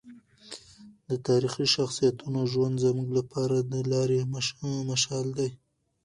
د تاریخي شخصیتونو ژوند زموږ لپاره د لارې مشال دی.